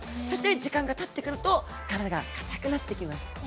そして時間がたってくると体がかたくなってきます。